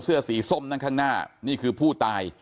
เสื้อสีส้มนั่งข้างหน้านี่คือผู้ตาย